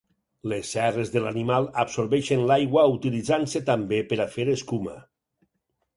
Les cerres de l'animal absorbeixen l'aigua utilitzant-se també per a fer escuma.